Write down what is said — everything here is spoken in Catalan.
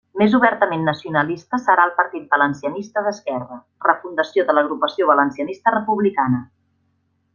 Més obertament nacionalista serà el Partit Valencianista d'Esquerra, refundació de l'Agrupació Valencianista Republicana.